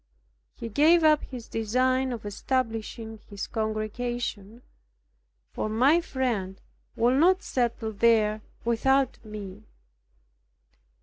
He gave up his design of establishing his congregation, for my friend would not settle there without me.